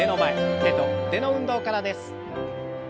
手と腕の運動からです。